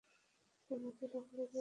এর মধ্যে সকলেই গ্রামবাসী।